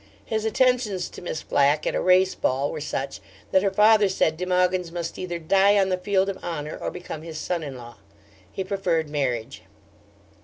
His attentions to Miss Flack at a race ball were such that her father said De Mogyns must either die on the field of honour, or become his son in law. He preferred marriage.